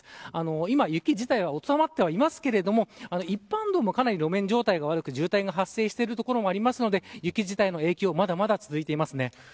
今、雪自体は収まっていますが一般道も、かなり路面状態が悪く渋滞も発生している所があるので雪自体の影響はまだまだ続いています。